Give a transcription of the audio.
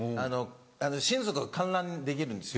親族は観覧できるんですよ。